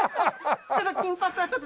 金髪はちょっと。